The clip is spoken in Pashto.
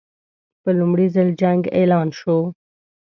په لومړي ځل جنګ اعلان شو.